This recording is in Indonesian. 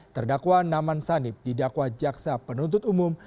terdakwa naman sanib didakwa jaksa penuntut umum